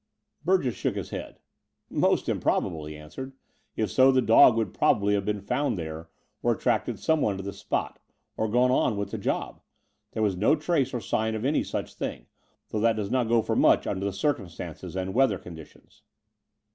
Burgess shook his head. "Most improbable," he answered. ^*If so, the dog would probably have been found there or attracted someone to the spot, or gone on with the job. There was no trace or sign of any such thing, though that does not go for much under the cir cumstances and weather conditions."